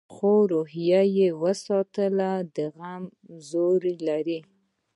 خو روحیه یې وساتله؛ د غم زور لري.